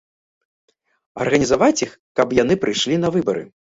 Арганізаваць іх, каб яны прыйшлі на выбары.